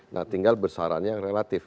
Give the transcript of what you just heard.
nah tinggal besarannya yang relatif